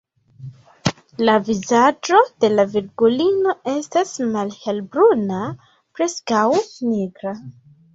La vizaĝo de la Virgulino estas malhelbruna, preskaŭ nigra.